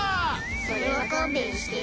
それは勘弁して。